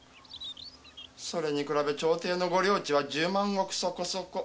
それに比べ朝廷のご領地は十万石そこそこ。